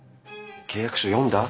契約書読んだ？